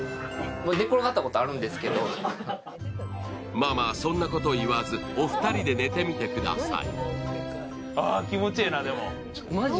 まあまあ、そんなこと言わずお二人で寝てください。